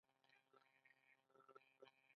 آیا دوی په سختو کارونو کې بوخت نه دي؟